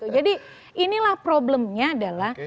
jadi inilah problemnya adalah